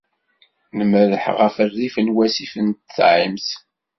Nmerreḥ ɣef rrif n wasif n Thames.